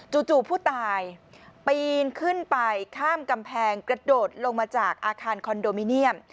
จู่ผู้ตายปีนขึ้นไปข้ามกำแพงกระโดดลงมาจากอาคารคอนโดมิเนียม